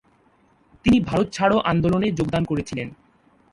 তিনি ভারত ছাড়ো আন্দোলনে যোগদান করেছিলেন।